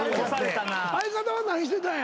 相方は何してたんや？